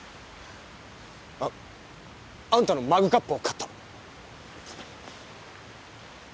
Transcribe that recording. ああんたのマグカップを買った。